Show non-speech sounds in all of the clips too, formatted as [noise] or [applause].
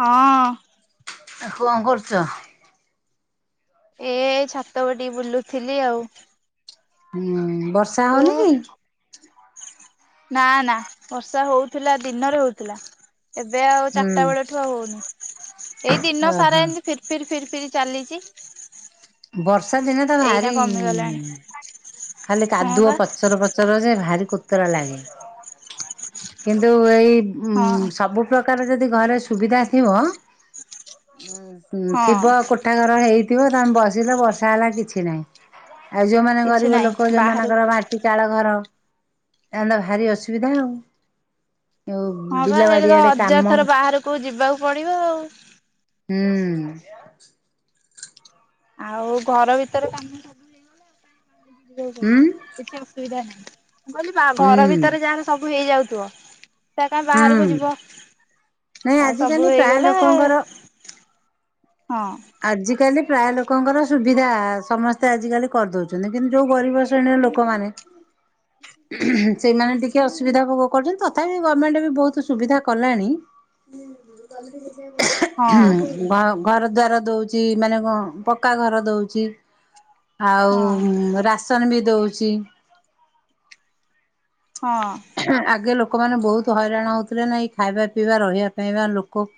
ହଁ। ଆ କଣ କରୁଛ? ଏ ଛାତ ଉପରେ ଟିକେ ବୁଲୁଥିଲି ଆଉ। ହୁଁ ବର୍ଷା ତୁ ହଉନି କି? ନା ନା ବର୍ଷା ହଉଥିଲା ଦିନରେ ହଉଥିଲା ଏବେ ଆଉ ହୁଁ ଚାରିଟା ବେଳ ଠୁ ଆଉ ହୋଉନି ଏଇ ଓହୋ ଦିନସାରା ଏମିତି ଫିର୍ ଫିର୍ ଚାଲିଛି। ବର୍ଷା ଦିନେ ତ ଏଇନା ଭାରି କମିଗଲାଣି ଖାଲି ହଁ କାଦୁଅ ବା ପଚର ପ ଚର ଯେ ଭାରି କୋତରା ଲାଗେ କିନ୍ତୁ ଏଇ ଉଁ ହଁ ସବୁ ପ୍ରକାର ଯଦି ଘରେ ସୁବିଧା ଥିବ ହଁ ଥିବ କୋ କୋଠା ଘର ହେଇଥିବ ତମେ ବସିଲ ବର୍ଷା ହେଲା କିଛି ନାହିଁ। ଆଉ ଯୋଉମାନେ କିଛି ଗରିବ ନାହିଁ ଲୋକ ବାହାରକୁ ଯୋଉମାନଙ୍କର ମାଟ୍ ଚାଳଘର ଏମାନେ ଭାରି ଅସୁବିଧା ଆଉ। ଯୋଉ ହଁ ବିଲ ପା ଏତେତ ବାଡିଆଡେ କାମ ହଯାର୍ ଥର ବାହାରକୁ ଯିବାକୁ ପଡ଼ିବ ଆଉ। ହୁଁ। ଆଉ ଘର ଭିତରେ କାମ ସବୁ ଯିବାକୁ ହୁଁ ପଡ଼ିବ କିଛି ଅସୁବିଧା ନାହିଁ ମୁଁ କହିଲି ହୁଁ ଘର ଭିତରେ ଯାହାର ସବୁ ହେଇଯାଉଥିବ। ସେ ଆଉ କାଇଁ ବାହାରକୁ ହୁଁ। ଯିବ ନାଇଁ ସବୁ ଆଜିକାଲି ପ୍ରାୟ ହେଇଗଲା। ଲୋକଙ୍କର ହଁ। ଆଜିକାଲି ପ୍ରାୟ ଲୋକଙ୍କର ସୁବିଧା ସମସ୍ତେ ଆଜିକାଲି କରିଦଉଛନ୍ତି କିନ୍ତୁ ଯୋଉ ଗରିବ ଶ୍ରେଣୀର ଲୋକମାନେ। ସେଇମାନେ ଟି କେ ଅସୁବିଧା ଭୋଗ କରୁଛନ୍ତି ତଥାପି ଗଭର୍ଣ୍ଣମେଣ୍ଟ ଏବେ ବୋହୁତ୍ ସୁବିଧା କଲାଣି। ହଁ ଘ ଘର ଦ୍ବାର ଦୋଉଚି ମାନେ କଣ ପକ୍କା ଘର ଦୋଉଚି। ହଁ ଆଉ ରାସନ ବି ଦଉଚି। ହଁ। ଆଗେ ଲୋକମାନେ ବୋହୁତ୍ ହଇରାଣ ହୋଉଥୁଲେନା ଏଇ ଖାଇବା, ପିଇବା, ରହିବା ପାଇଁ ବା ଲୋକ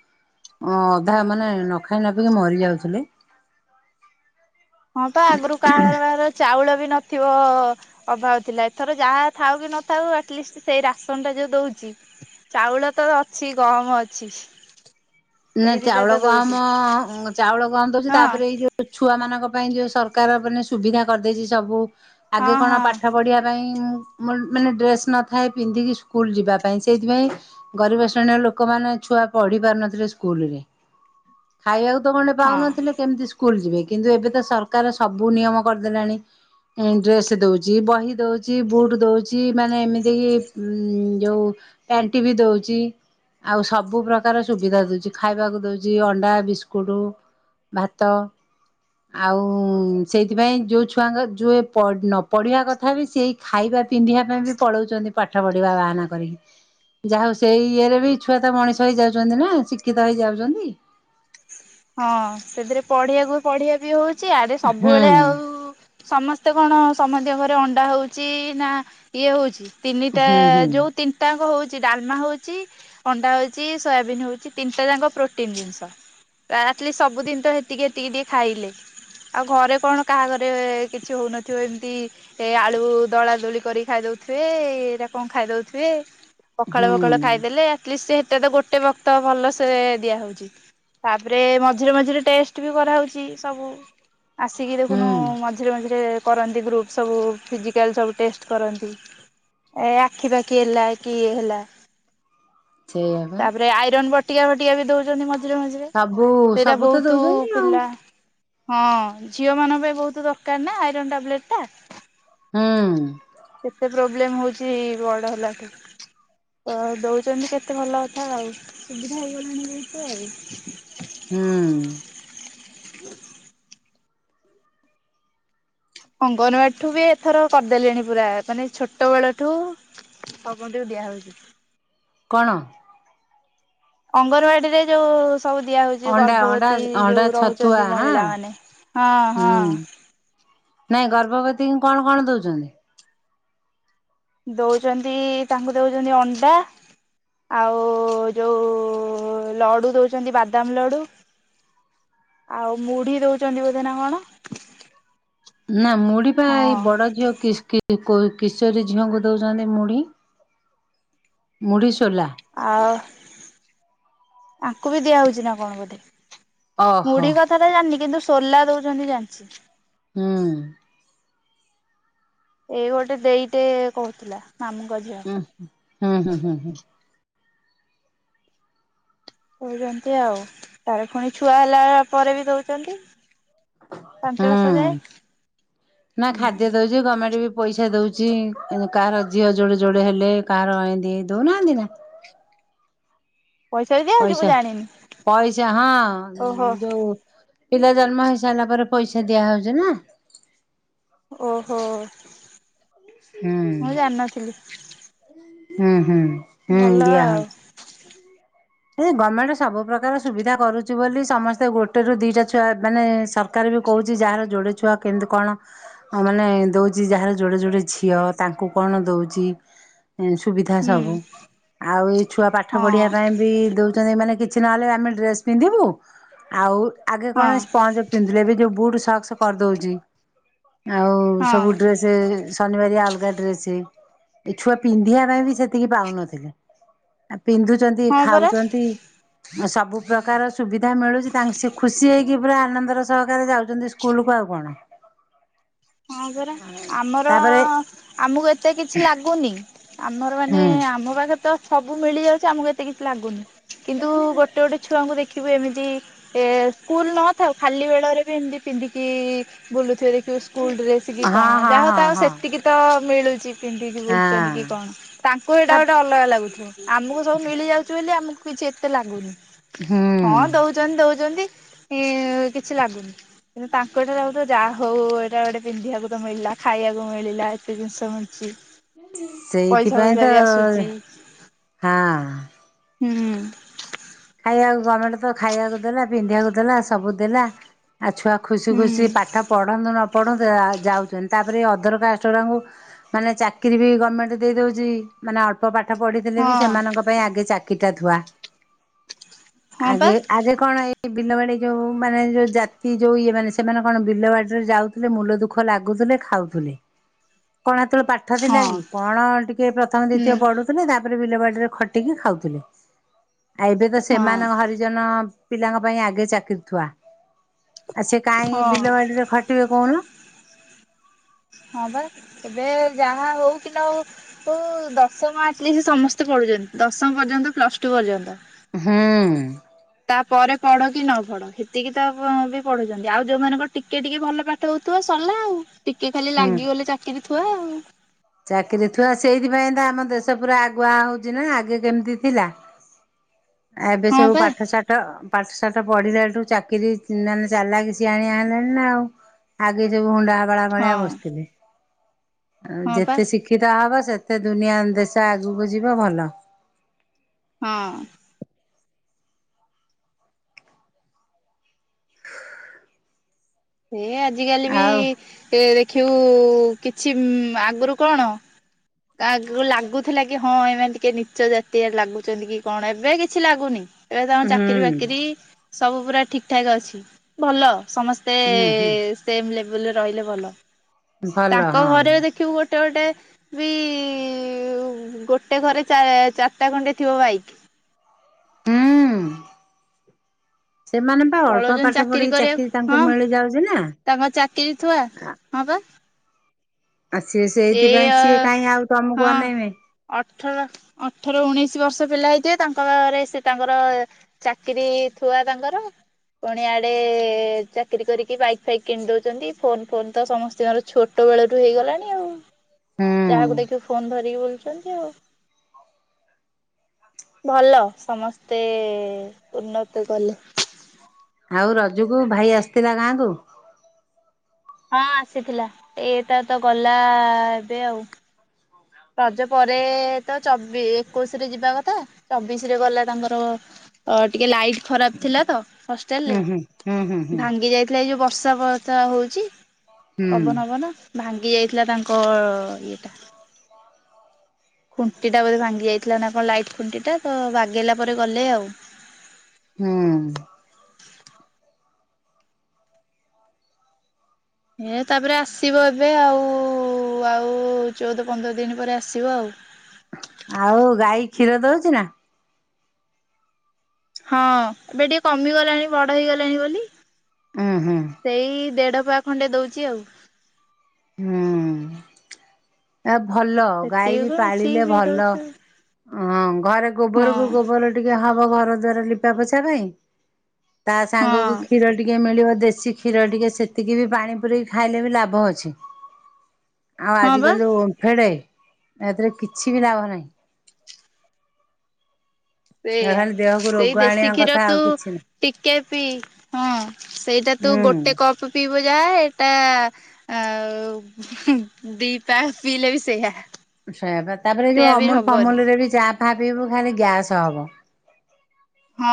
ଅଁ ଅଧା ମାନେ ନଖାଇ ନ ପିଇକି ମରିଯାଉଥୁଲେ। ହଁ ତ ଆଗୁରୁ କାହା ଘର ବାହାର ଚାଉଳ ବି ନଥିବ। ଅଭାବ ଥିଲା ଏଥର ଯାହା ଥାଉ କି ନଥାଉ ଆଟଲିଷ୍ଟ ସେଇ ରାସନ୍ ଟା ଯୋଉ ଦୋଉଚି। ଚାଉଳ ତ ଅଛି ଗହମ ଅଛି। ନାଁ ଏଇ ଦିଟା ଚାଉଳ ତ ଗହମ ଦଉଛି ଚାଉଳ ଗହମ ଦୋଉଚି ହଁ ତାପରେ ଏଇ ଯୋଉ ଉ ଛୁଆମାନଙ୍କ ପାଇଁ ଯୋଉ ସରକାର ଏବେ ନି ସୁବିଧା କରିଦେଇଚି ସବୁ ହଁ ଆଗେ କଣ ହଁ ପାଠ ପଢ଼ିବା ପାଇଁ ଉଁ ମୁନ୍ ମାନେ ଡ୍ରେସ୍ ନଥାଏ ପିନ୍ଧିକି ସ୍କୁଲ୍ ଯିବାପାଇଁ। ସେଇଥିପାଇଁ ଗରିବ ଶ୍ରେଣୀର ଲୋକମାନେ ଛୁଆ ପଢ଼ି ପାରୁନଥିଲେ ସ୍ କୁଲ୍ ରେ ଖାଇଆକୁ ତ ଗଣ୍ଡେ ହଁ। ପାଉନଥୁଲେ କେମତି ସ୍ କୁଲ୍ ଯିବେ କିନ୍ତୁ ଏବେ ତ ସରକାର ସବୁ ନିୟମ କରିଦେଲାଣି। ଏଁ ଡ୍ରେସ୍ ଦୋଉଚି ବହି ଦୋଉଚି ବୁଟ୍ ଦୋଉଚି ମାନେ ଏମିତି କି ଉଁ ଯୋଉ ପ୍ୟାଣ୍ଟି ବି ଦୋଉଚି ଆଉ ସବୁ ପ୍ରକାର ସୁବିଧା ଦୋଉଚି। ଖାଇବାକୁ ଦୋଉଚି ଅଣ୍ଡା, ବିସ୍କୁଟ୍, ଭାତ। ଆଉ ସେଇଥିପାଇଁ ଯୋଉ ଛୁଆଙ୍କ ଯୁଏ ନ ପ ପଢ଼ିବା କଥା ବି ସେଇ ଖାଇବା ପିନ୍ଧିବା ପାଇଁ ବି ପଳଉଚନ୍ତି ପାଠ ପଢ଼ିବା ବାହାନା କରିକି। ଯା ହଉ ସେଇ ଇଏରେ ବି ଛୁଆ ତ ମଣିଷ ହେଇଯାଉଚନ୍ତି ନାଁ ଶିକ୍ଷିତ ହେଇଯାଉଚନ୍ତି। ହଁ ସେଥିରେ ପଢ଼ିଆକୁ ପଢ଼ିଆ ବି ହଉଚି ୟାଡ଼େ ହୁଁ ସବୁବେଳେ ଆଉ ସମସ୍ତେ କଣ ସମତିଙ୍କ ଘରେ ଅଣ୍ଡା ହଉଚି ନା ଇଏ ହଉଚି? ତିନିଟା ହୁଁ ହୁଁ। ଯୋଉ ତିନ୍ ତାଆଙ୍କ ହୋଉଚି ଡାଲମା ହୋଉଚି ଅଣ୍ଡା ହୋଉଚି ସୋୟାବିନ୍ ହୋଉଚି ତିନିଟା ଯାକ ପ୍ରୋଟିନ୍ ଜିନିଷ। ଆ ଆଲିଷ୍ଟ୍ ସବୁଦିନ ତ ହେତିକି ହେତିକି ଟିକେ ଖାଇଲେ। ଆଉ ଘରେ କଣ କାହା ଘରେ କିଛି ହୋଉନଥିବ ଏମତି ଏ ଆଳୁ ଦଳା ଦୋଳି କରି ଖାଇ ଦଉଥୁବେ ଏଇଟା କଣ ଖାଇ ଦଉଥୁବେ। ପଖାଳ ପଖାଳ ହୁଁ ଖାଇଦେଲେ ଆଟଲିଷ୍ଟ୍ ସେଟା ତ ଗୋଟେ ବକ୍ତ ଭଲସେ ଦିଆ ହଉଚି। ତାପରେ ମଝିରେ ମଝିରେ ଟେଷ୍ଟ୍ ବି କରାହଉଚି ସବୁ ଆସିକି ଦେଖୁନୁ ହୁଁ ମ ଝିରେ ମଝିରେ କରନ୍ତି ଗ୍ରୁପ୍ ସବୁ ଫିଜିକାଲ୍ ସବୁ ଟେଷ୍ଟ କରନ୍ତି। ଏ ଆଖି ପାଖି ହେଲା କି ଇଏ ହେଲା। ସେଇଆ ବା ତାପରେ ଆଇରନ୍ ବଟିକା ମଟିକା ବି ଦୋଉଚନ୍ତି ମଝିରେ ମଝି ସବୁ ସେଇଟା ସବୁ ତ ବହୁତୁ ଦଉଛନ୍ତି ଆଉ। ପିଲା ହଁ ଝିଅମାନଙ୍କ ପାଇଁ ବହୁତୁ ଦରକାର ନାଁ ଆଇରନ୍ ଟାବଲେଟ୍ ଟା। ହଁ। ଏତେ ପ୍ରୋବ୍ଲେମ୍ ହଉଛି ବଡ଼ ହେଲାଠୁ। ଅ ଦୋଉଚନ୍ତି କେତେ ଭଲ କଥା ଆଉ ସୁବିଧା ହେଇଗଲାଣି ଯେହେତୁ ଆଉ। ହୁଁ। ଅଙ୍ଗନବାଡ଼ିଠୁ ବି ଏଥର କରିଦେଲେଣି ପୁରା ମାନେ ଛୋଟ ବେଳଠୁ ସମତିଉଁ ଦିଆହଉଚି। କଣ? ଅଙ୍ଗନବାଡ଼ିରେ ଯୋଉ ସବୁ ଦିଆ ହଉଚି ଅଣ୍ଡା ଅଣ୍ଡା ଗର୍ଭବତୀ ଅଣ୍ଡା ଯୋଉ ଛତୁଆ ରହୁଚନ୍ତି ହାଁ ମହିଳାମାନେ ହଁ ହଁ। ହୁଁ ନାଇଁ ଗର୍ଭବତୀଙ୍କୁ କଣ କଣ ଦୋଉଚନ୍ତି? ଦୋଉଚନ୍ତି ତାଙ୍କୁ ଦୋଉଚନ୍ତି ଅଣ୍ଡା ଆଉ ଯୋଉ ଲଡ଼ୁ ଦୋଉଚନ୍ତି ବାଦାମ ଲଡ଼ୁ। ଆଉ ମୁଢ଼ି ଦଉଚନ୍ତି ବୋଧେ ନାଁ କଣ। ନାଁ ମୁଢ଼ି ପା ହଁ ଏଇ ବଡ଼ ଝିଅ କିସ୍ କି ଏ କୋ କିଶୋରୀ ଝିଅଙ୍କୁ ଦୋଉଚନ୍ତି ମୁଢ଼ି। ମୁଢ଼ି, ସୋଲା। ଆଉ ଆଙ୍କୁ ବି ଦିଆ ହୋଉଚି ନାଁ କଣ ବୋଧେ। ଓହୋ ମୁଢି କଥା ଟା ଜାଣିିନି କିନ୍ତୁ ସୋଲା ଦଉଛନ୍ତି ଜାଣିଛି। ହୁଁ। ଏଇ ଗୋଟେ ଦେଇଟେ କହୁଥିଲା, ମାମୁଙ୍କ ଝିଅ। ହୁଁ-ହୁଁ-ହୁଁ। କହୁଛନ୍ତି ଆଉ, ତାର ପୁଣି ଛୁଆ ହେଲା ପରେ ବି କହୁଛନ୍ତି। ହୁଁ, ନା ହୁଁ ଖାଦ୍ୟ ଦଉଛି ଗଭର୍ଣ୍ଣମେଣ୍ଟ ବି ପଇସା ଦଉଛି କାହାର ଝିଅ ଯୋଡେ ଯୋଡେ ହେଲେ କାହାର ଏମତି ଦଉନାହାନ୍ତି ନା? ବି ଦିଆହଉଛି ମୁଁ ପଇସା, ଜାଣିନି ପଇସା ହଁ ଓହୋ ଯୋଉ ପିଲା ଜନ୍ମ ହେଇ ସାରିଲା ପରେ ପଇସା ଦିଆ ହଉଛି ନା। ଓହୋ। ମୁଁ ହୁଁ, ଜାଣିନଥିଲି ହୁଁ -ହୁଁ। ଭଲ ଦିଆ ଆଉ ହଉଛି। ଏ ଗଭର୍ଣ୍ଣମେଣ୍ଟ ସବୁ ପ୍ରକାର ସୁବିଧା କରୁଛି ବୋଲି ସମସ୍ତେ ଗୋଟେ ରୁ ଦିଟା ଛୁଆ ମାନେ [unintelligible] ବି କହୁଛି ଯାହାର ଯୋଡେ ଛୁଆ କେମିତି କଣ ମାନେ ଦଉଛି ଯାହାର ଯୋଡେ ଯୋଡେ ଝିଅ ତାଙ୍କୁ କଣ ଦଉଛି ସୁବିଧା ହୁଁ ସବୁ। ଆଉ ଏଇ ଛୁଆ ପାଠ ହଁ ପଢିବା ପାଇଁ ବି ଦଉଛନ୍ତି ମାନେ କିଛି ନହେଲେ ଆମେ ଡ୍ରେସ ପିନ୍ଧିବୁ ଆଉ ଆଗେ ହଁ କଣ ସ୍ପଯ ପିନ୍ଧିଲେ ବି ଯୋଉ ବୁଟ ସକ୍ସ କରିଦଉଛି ଆଉ ହଁ ସବୁ ଡ୍ରେସ ସେ ଶନିବାରିଆ ଅଲଗା ଡ୍ରେସେ ଏ ଛୁଆ ପିନ୍ଧିବା ପାଇଁ ବି ସେତିକି ପାଉନଥିଲେ ପିନ୍ଧୁଛନ୍ତି, ହଁ ପରା ଖାଉଛନ୍ତି ସବୁ ପ୍ରକାର ସୁବିଧା ମିଳୁଛି ତାଙ୍କ ସେ ଖୁସି ହେଇକି ପୁରା ଆନନ୍ଦର ସହକାରେ ଯାଉଛନ୍ତି ସ୍କୁଲକୁ ଆଉ କଣ? ହଁ ପରା, ଆମର ତାପରେ ଆମକୁ ଏତେ କିଛି ଲାଗୁନି ଆମର ମାନେ ହୁଁ ଆମ ପାଖରେ ତ ସବୁ ମିଳି ଯାଉଛି ଆମକୁ ଏତେ କିଛି ଲାଗୁନି କିନ୍ତୁ ଗୋ ଗୋଟେ ଗୋଟେ ଛୁଆଙ୍କୁ ଦେଖିବେ ଏମିତି ଏ ସ୍କୁଲ ନଥାଉ ଖାଲି ବେଳରେ ବି ଏମିତି ପିନ୍ଧିକି ବୁଲୁଥିବେ ଦେଖିବୁ ସ୍କୁଲ ଡ୍ରେସ୍ କି ହଁ କଣ ହଁ ଯାହା ହଉ ହଁ ତାଉ ହଁ ସେତିକି ତ ମିଳୁଛି ପିନ୍ଧିକି ବୁଲୁଛନ୍ତି କି ହଁ କଣ ତାଙ୍କୁ ସେଇଟା ତା ଗୋଟେ ଅଲଗା ଲାଗୁଥିବ। ଆମକୁ ସବୁ ମିଳିଯାଉଛି ବୋଲି ଆମକୁ କିଛି ଏତେ ଲାଗୁନି। ହୁଁ ହଁ ଦଉ ଦଉଛନ୍ତି ଦଉଛନ୍ତି ଇ କିଛି ଲାଗୁନି। କିନ୍ତୁ ତାଙ୍କଠାରୁ ଆ ତ ଯାହା ହଉ ଏଇଟା ଗୋଟେ ପିନ୍ଧିବାକୁ ତ ମିଳିଲା, ଖାଇବାକୁ ମିଳିଲା, ଏତେ ଜିନିଷ ମିଛି ପଇସା ସେଇଥିପାଇଁ ଫଇସା ତ ବି ଆସୁଛି। ହଁ ହୁଁ ଖାଇବାକୁ ଗଭର୍ଣମେଣ୍ଟ ତ ଖାଇବାକୁ ଦେଲା ପିନ୍ଧିବାକୁ ଦେଲା ସବୁ ଦେଲା ଆଉ ଛୁଆ ଖୁସି ହୁଁ ଖୁସି ପାଠ ପଢନ୍ତୁ ନ ପଢ଼ନ୍ତୁ ଯାଉଛନ୍ତି। ତାପରେ ଅଧର କାଷ୍ଟ ଗୁଡାଙ୍କୁ ମାନେ ଚାକିରି ବି ଗମେଣ୍ଟ ଦେଇଦଉଛି। ମାନେ ଅଳ୍ପ ପାଠ ପଢିଥିଲେ ବି ହଁ ସେମାନଙ୍କ ପାଇଁ ଆଗେ ଚାକିରିଟା ଥୁଆ। ହଁ ପା ଆଗେ ଆଗେ କଣ ଏଇ ଏଇ ବିଲବାଡି ଯୋଉ ମାନେ ଯୋଉ ଜାତି ଯୋଉ ଇଏ ମାନେ ସେମାନେ କଣ ବିଲବାଡି ରେ ଯାଉଥିଲେ ମୁୂଲ ଦୁଃଖ ଦୁଖ ଲାଗୁଥିଲେ ଖାଉଥିଲେ। କଣ ସେତେବେଳେ ପା ପାଠ ଥିଲା ହଁ କି? କଣ ଟିକେ ପ୍ରଥମ ଦ୍ଵିତୀୟ ହୁଁ ପଡୁ ଥିଲେ ତାପରେ ବିଲବାଡିରେ ଖଟିକି ଖାଉଥିଲେ। ଆଉ ଏବେ ତ ହଁ ସେମାନେ ହ ଜନ ପିଲାଙ୍କ ପାଇଁ ଆଗେ ଚାକିରି ଥୁଆ। ଆ ସେ କାଇଁ ହଁ ବିଲବାଡିରେ ଖ ଟିବେ କହୁନ? ହଁ ବା, ଏବେ ଯାହା ହଉ କି ନହୋଉ ତ ଦଶମ ଆଟଲିଷ୍ଟ ସମସ୍ତେ ପଢୁଛନ୍ତି ଦଶମ ପର୍ଯ୍ୟନ୍ତ ପ୍ଲସ ଟୁ ପର୍ଯ୍ୟନ୍ତ। ହୁଁ। ତାପରେ ପଢ କି ନ ପଢ ସେତିକି ତ ବି ପଢୁଛନ୍ତି। ଆଉ ଯୋଉମାନଙ୍କ ଟିକେ ଟିକେ ଭଲ ପାଠ ଟ ହଉଥିବା ସରିଲା ଆଉ। ଟିକେ ଖାଲି ହୁଁ। ଲାଗିଗଲେ ଚାକିରି ଥଥିବାଆ ଆଉ। ଚାକିରି ଥୁଆ ସେଇଥିପାଇଁ ତ ଆମ ଦେଶ ପୁରା ଆଗୁଆ ହଉଛି ନା ଆଗେ କେମିତି ଥିଲା ଏବେ ହଁ ସବୁ ପା ପାଠ ସାଠ ପାଠ ସାାଠ ପଢିଲାଠୁ ଚାକିରି ମାନେ ଚାଲିଲା କିଛି ସିଆଣିଆ ହେଲାଣି ନା ଆଉ ଆଗେ ସବୁ ହୁଣ୍ଡା ଗଳା ଭଳିଆ ହଁ ବସିଥିଲେ ଆ ହଁ ପା ଯେତେ ଶିଖ ଅିକିଦ ହେବ ସେତେ ଦୁନିଆ ଦେଶ ଆଗକୁ ଯିବ ଭଲ ହଁ ସେ ଆଜିକାଲି ବି ଆଉ ଏ ଦେଖିବୁ କିଛି ଆଗରୁ କଣ କଗକୁ ଲାଗୁଥିଲା କି ହଁ ଏମାନେ ଟିକେ ନିଚ ଜାତିଆରେ ଲାଗୁଛନ୍ତି କି କଣ ଏବେ କିଛି ଲାଗୁନି ଏବେ ତମ ହୁଁ ଚାକିରି ବାକିରି ସବୁ ପୁରା ଠିକ ଠାକ୍ ଅଛି ଭଲ ସମସ୍ ତେ ହୁଁ ହୁଁ ସେମ ଲେବୁଲରେ ରହିଲେ ଭଲ ଭଲ ତାଙ୍କ ହଁ ଘରେ ଦେଖିବୁ ଗ ଗୋଟେ ଗୋଟେ ବି ଗୋଟେ ଘରେ ଚାରିଟା ଖଣ୍ଡେ ଥିବ ବାଇକ୍ ହୁଁ ସେମାନେ ଅଳ୍ପ ପଳଉଛନ୍ତି ପାଠ ଚାକିରି ପଢିକି କରିବାକୁ ଚାକିରୀ ତାଙ୍କୁ ହଁ ମିଳି ଯାଉଛି ନା। ତାଙ୍କ ଚାକିରି ଥୁଆ ହଁ ବା ଆଉ ସିଏ ଏଇ ସେଇଥିପାଇଁ ସିଏ କାହିଁ ଆଉ ହଁ ତମକୁ ଅନେଇବେ। ଅଠର ଅଠର ଉଣେଇଶି ବର୍ଷ ପିଲା ହେଇଥିବେ ତାଙ୍କ ପାଖରେ ସେ ତାଙ୍କର ଚାକିରୀ ଥୁଆ ତାଙ୍କର। ପୁଣିଆଡେ ଚାକିରୀ କରିକି ବାଇକ୍ ଫାଇକ୍ କିଣି ଦଉଛନ୍ତି। ଫୋନ ଫୋନ ତ ସମସ୍ତଙ୍କର ଛୋ ଟ ବେଳରୁ ହେଇଗଲାଣି ଆଉ। ହୁଁ ଯାହାକୁ ଦେଖିବ ଫୋନ ଧରିକି ବୁଲୁଛନ୍ତି ଆଉ। ଭଲ ସମସ୍ତେ ଉନ୍ନତି କଲେ। ଆଉ ରଜକୁ ଭାଇ ଆସିଥିଲା ଗାଁ କୁ? ହଁ ଆସିଥିଲା ଏ ତା ତ ଗଲା ଏବେ ଆଉ। ରଜ ପରେ ତ ଚବି ଏକୋଇଶିରେ ଯିବା କଥା ଚବିଶରେ ଗଲା ତାଙ୍କର ଅ ଟିକେ ଲାଇଟ ଖରାପ ଥିଲା ତ ହଷ୍ଟେଲରେ ହୁଁ ହୁଁ ହୁଁ ହୁଁ ହୁଁ ଭାଙ୍ଗି ଯାଇ ଥିଲା ଯୋଉ ବର୍ଷା ଫର୍ଷା ହଉଛି ହୁଁ ପବନ ପବନ। ଭାଙ୍ଗି ଯାଇଥିଲା ତାଙ୍କ ଇଏଟା। ଖୁଣ୍ଟିଟା ବୋଧେ ଭାଙ୍ଗି ଯାଇଥିଲା ନା କଣ ଲାଇଟ୍ ଖୁଣ୍ଟିଟା ତ ବାଗେଇଲା ପରେ ଗଲେ ଆଉ। ହୁଁ। ହେ ତାପରେ ଆସିବ ଏବେ ଆଉ ଆଉ ଚଉଦ ପନ୍ଦର ଦିନ ପରେ ଆସିବ ଆଉ। ଆଉ ଗାଈ କ୍ଷୀର ଦଉଛି ନା। ହଁ ଏବେ ଟିକେ କମିଗଲାଣି ବଡ ହେଇଗଲାଣି ବୋଲି। ହୁଁ ହୁଁ ସେଇ ଦେଢ଼ ପା ଖଣ୍ଡେ ଦେଉଛି ଆଉ। ହୁଁ ଆ ଭଲ ଗାଈ ସେତିକି ବି ବେଶୀ ପାଳିଲେ ବି ଭଲ ଦଉଛି ଆଉ। ହଁ ଘରେ ଗୋବରକୁ ହଁ ଗୋବର ଟିକେ ହବ ଘର ଦ୍ଵାରା ଲିପା ପୋଛା ପାଇଁ। ତା ହଁ ସାଙ୍ଗକୁ କ୍ଷୀର ଟିକିଏ ମିଳିବ ଦେଶୀ କ୍ଷୀର ଟିକେ ସେତିକି ବି ପାଣି ପୁରେଇକି ଖାଇଲେ ବି ଲାଭ ଅଛି। ଆଉ ହଁ ବା ଆଜିକାଲି ଯୋଉ ଓନ୍ଫେଡ ଏଥିରେ କିଛି ବି ଲାଭ ନାହିଁ। ତା ସେଇଆ ଖାଲି ଦେହକୁ ରୋଗ ସେଇ ଦେଶୀ ଆଣିବା କଥା କ୍ଷୀର ଆଉ ତୁ କିଛି ନାହିଁ। ଟିକେ ପି। ହଁ ସେଇଟା ତୁ ଗୋଟେ ହୁଁ କପ ପିଇବ ଯାହା ଏଇଟା ଆ ଦିଟା ପିଲେ ବି ସେଇଆ। ସେ ତାପରେ ଯୋଉ ସେଇଆ ବି ଅମୁଲ ହବନି। ଫମୁଲରେ ବି ଚା ଫା ପିଇବୁ ଖାଲି ଗ୍ୟାସ ହବ। ହଁ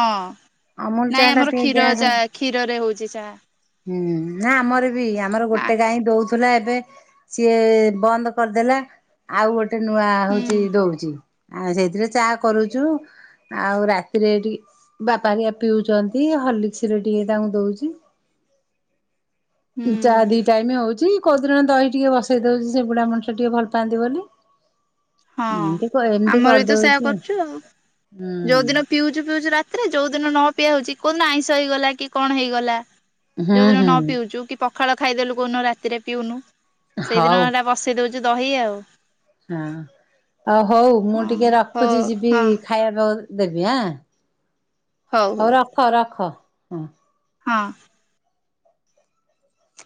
ଅମୁଲ ଚା ନାଇଁ ଟା ଆମର ଟିକେ କ୍ଷୀର ଗ୍ୟାସ୍ ଚା କ୍ଷୀରରେ ହଉଛି ଚାହା। ହୁଁ ନା ଆମର ବି ଆମର ଆ ଗୋଟେ ଗାଈ ଦଉ ଥିଲା ଏବେ ସିଏ ବନ୍ଦ କରିଦେଲା। ଆଉ ଗୋଟେ ନୂଆ ହୁଁ ହଉଛି ଦଉଛି। ଆଉ ସେଇଥିରେ ଚା କରୁଛୁ ଆଉ ରାତିରେ ଟିକେ ପାରିଆ ପିଉଛନ୍ତି ହୋର୍ଲିକ୍ସରେ ଟିକେ ତାଙ୍କୁ ଦଉଛି। ହୁଁ ଚା ଦି ଟାଇମ ହଉଛି କୋଉଦିନ ଦହି ଟିକେ ବସେଇ ଦଉଛି ସେଗୁଡା ମଣିଷ ଟିକେ ଭଲ ପାଆନ୍ତି ବୋଲି। ହଁ ଏମତି ଏମିତି ଆମର ବି ତ ସେଇୟା କରିଦଉଛି କରୁଛୁ ଆଉ। ଯୋଉଦିନ ହୁଁ ପିଉଛୁ ପିଉଛୁ ରାତି ତେରେ ଯୋଉ ଦିନ ନପିଆ ହୋଉଚି। କୋଉଦିନ ଆଇଁଷ ହେଇଗଲା କି କଣ ହେଇଗଲା ହୁଁ ଯୋଉ ଦିନ ହୁଁ ନ ପିଉଚୁ କି ପଖାଳ ଖାଇଦେଲୁ କୋଉ ଦିନ ରାତିରେ ପିଉନୁ। ସେଇଦିନ ହଉ। ଏଟା ବସେଇ ଦୋଉଚୁ ଦହି ଆଉ। ହଁ ଆଉ ହଉ ମୁଁ ଟିକେ ହଁ ରଖୁଚି ହଉ ଯିବି ହଁ ଖାଇବାପାଉ ଦେବି ଆଁ ହଉ ରଖ ରଖ। ହଁ। ହଁ।